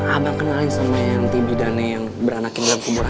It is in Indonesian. abang kenalin sama yang tibidane yang berenek di dalam kubur aja